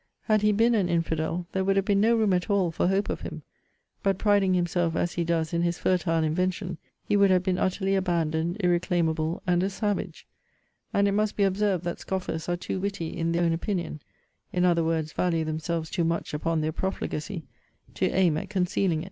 Had he been an infidel, there would have been no room at all for hope of him; but (priding himself as he does in his fertile invention) he would have been utterly abandoned, irreclaimable, and a savage.'* And it must be observed, that scoffers are too witty, in their own opinion, (in other words, value themselves too much upon their profligacy,) to aim at concealing it. * See Vol. IV. Letter XXXIX. and Vol. V.